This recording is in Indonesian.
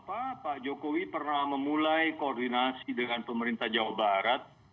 pada saat ini pak jokowi pernah memulai koordinasi dengan pemerintah jawa barat